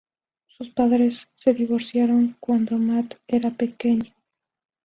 Sus padres se divorciaron cuando Matt era pequeño.